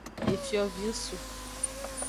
Efiovingsu.